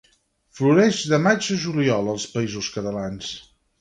Floreix de maig a juliol als Països Catalans.